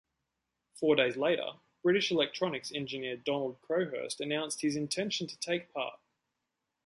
Four days later, British electronics engineer Donald Crowhurst announced his intention to take part.